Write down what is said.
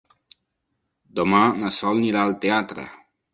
Demà na Sol anirà al teatre.